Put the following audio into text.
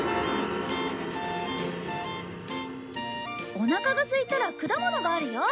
おなかがすいたら果物があるよ。